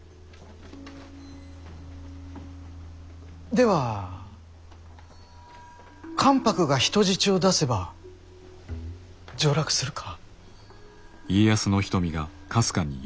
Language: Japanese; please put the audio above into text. では関白が人質を出せば上洛するか？